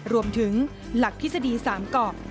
รวมถึงหลักทฤษฎี๓เกาะ